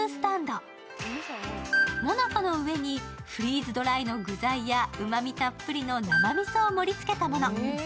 もなかの上にフリーズドライの具材やうまみたっぷりの生みそを盛りつけたもの。